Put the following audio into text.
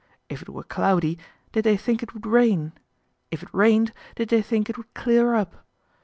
If it were cloudy, did they think it would rain ? If it rained, did they think it would clear up